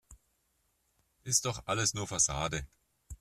Ist doch alles nur Fassade.